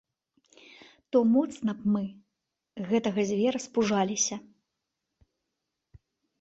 То моцна б мы гэтага звера спужаліся!